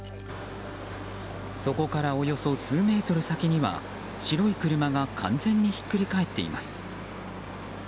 そこからおよそ数メートル先には白い車が完全にひっくりかえっています。